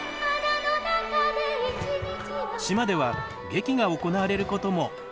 島では劇が行われることも。